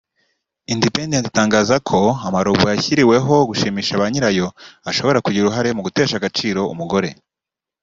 Independent itangaza ko ama-‘robots’ yashyiriweho gushimisha ba nyirayo ashobora kugira uruhare mu gutesha agaciro umugore